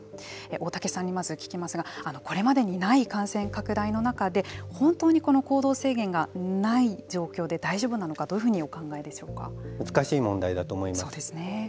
大竹さんにまず聞きますがこれまでにない感染拡大の中で本当にこの行動制限がない状況で大丈夫なのか難しい問題だと思います。